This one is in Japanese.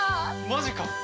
マジか！